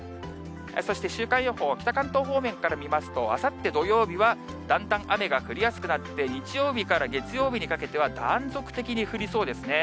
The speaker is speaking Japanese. そして、週間予報、北関東方面から見ますと、あさって土曜日はだんだん雨が降りやすくなって、日曜日から月曜日にかけては、断続的に降りそうですね。